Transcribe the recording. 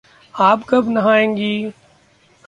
आप कब नहायेंगी?